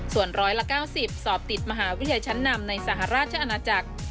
ส่วน๑๙๐สอบติดมหาวิทยาลัยชั้นนำในสหราชอาณาจักร